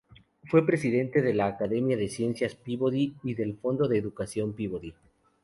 Fue presidente de la Academia de Ciencias Peabody y del Fondo de Educación Peabody.